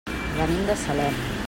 Venim de Salem.